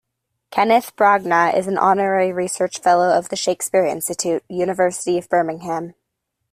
Kenneth Branagh is an Honorary Research Fellow of the Shakespeare Institute, University of Birmingham.